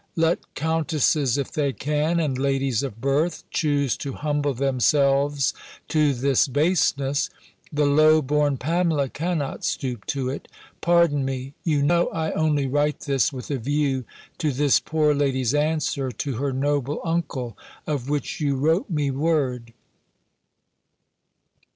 Let countesses, if they can, and ladies of birth, choose to humble themselves to this baseness. The low born Pamela cannot stoop to it. Pardon me; you know I only write this with a view to this poor lady's answer to her noble uncle, of which you wrote me word.